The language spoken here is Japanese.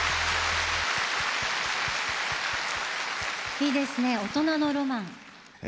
いいですね大人のロマン。え